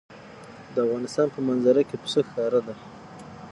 د افغانستان په منظره کې پسه ښکاره ده.